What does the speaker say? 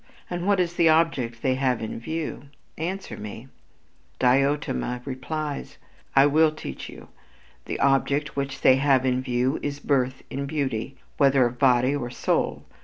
And what is the object they have in view? Answer me." Diotima replies: "I will teach you. The object which they have in view is birth in beauty, whether of body or soul....